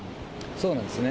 そうなんですね。